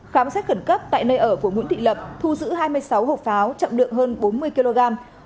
khám xét khẩn cấp tại nơi ở của nguyễn thị lập thu giữ hai mươi sáu hộp pháo trọng lượng hơn bốn mươi kg